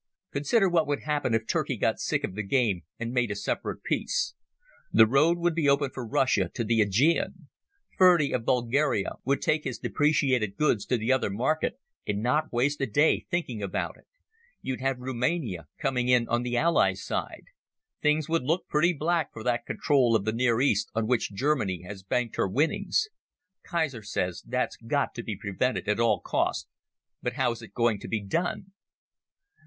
Consider what would happen if Turkey got sick of the game and made a separate peace. The road would be open for Russia to the Aegean. Ferdy of Bulgaria would take his depreciated goods to the other market, and not waste a day thinking about it. You'd have Rumania coming in on the Allies' side. Things would look pretty black for that control of the Near East on which Germany has banked her winnings. Kaiser says that's got to be prevented at all costs, but how is it going to be done?"